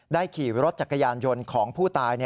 ขี่รถจักรยานยนต์ของผู้ตาย